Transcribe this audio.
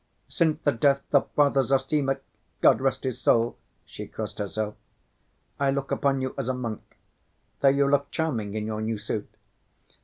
Since the death of Father Zossima—God rest his soul!" (she crossed herself)—"I look upon you as a monk, though you look charming in your new suit.